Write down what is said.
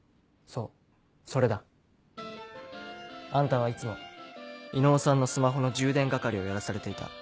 そうそれだ。あんたはいつも伊能さんのスマホの充電係をやらされていた。